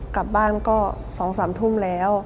กลับบ้านก็๒๓ทุ่มแล้ว